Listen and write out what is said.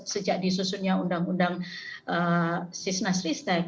sejak disusunnya undang undang cisnas ristec